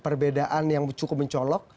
perbedaan yang cukup mencolok